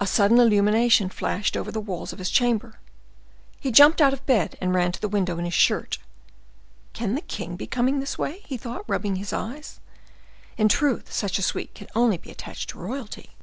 A sudden illumination flashed over the walls of his chamber; he jumped out of bed and ran to the window in his shirt. "Can the king be coming this way?" he thought, rubbing his eyes; "in truth, such a suite can only be attached to royalty."